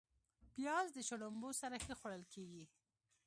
پیاز د شړومبو سره ښه خوړل کېږي